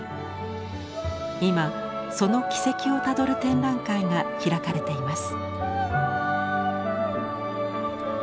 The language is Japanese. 今その軌跡をたどる展覧会が開かれています。